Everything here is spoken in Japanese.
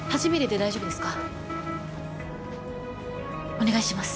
お願いします